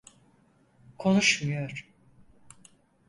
Konuşmuyor.